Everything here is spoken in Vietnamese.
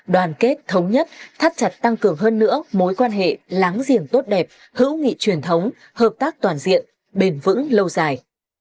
đoàn kết thống nhất thắt chặt tăng cường hơn nữa mối quan hệ láng giềng tốt đẹp hữu nghị truyền thống hợp tác toàn diện bền vững lâu dài